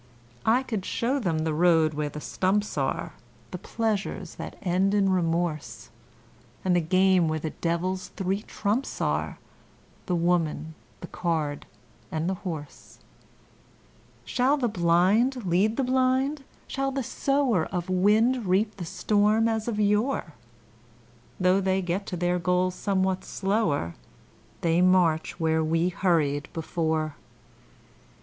I could show them the road where the stumps are The pleasures that end in remorse, And the game where the Devil's three trumps are, The woman, the card, and the horse. Shall the blind lead the blind shall the sower Of wind reap the storm as of yore? Though they get to their goal somewhat slower, They march where we hurried before.